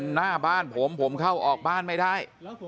หน้าบ้านผมผมเข้าออกบ้านไม่ได้